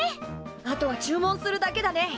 あとは注文するだけだね。